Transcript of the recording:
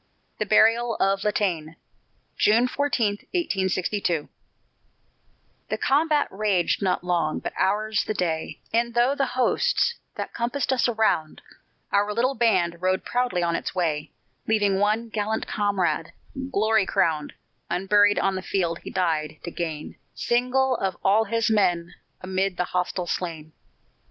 THE BURIAL OF LATANÉ [June 14, 1862] The combat raged not long, but ours the day; And, through the hosts that compassed us around, Our little band rode proudly on its way, Leaving one gallant comrade, glory crowned, Unburied on the field he died to gain Single of all his men, amid the hostile slain.